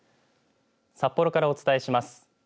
札幌からお伝えします。